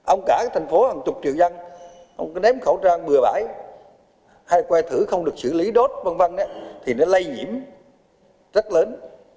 ông cả thành phố hàng chục triệu dân ông cái ném khẩu trang bừa bãi hay que thử không được xử lý đốt v v thì nó lây nhiễm rất lớn